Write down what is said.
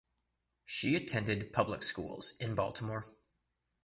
She attended public schools in Baltimore.